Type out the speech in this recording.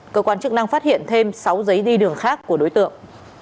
cơ quan chức năng phát hiện thêm sáu giấy đi đường khác của đối tượng